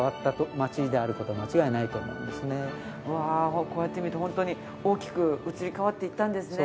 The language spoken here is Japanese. わあこうやって見ると本当に大きく移り変わっていったんですね。